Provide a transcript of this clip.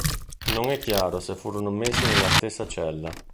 Non è chiaro se furono messi nella stessa cella.